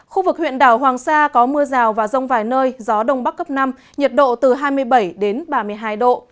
khu vực huyện đảo hoàng sa có mưa rào và rông vài nơi gió đông bắc cấp năm nhiệt độ từ hai mươi bảy đến ba mươi hai độ